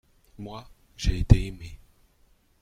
Moi, j’ai été aimé.